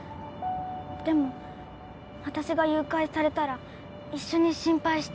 でも私が誘拐されたら一緒に心配して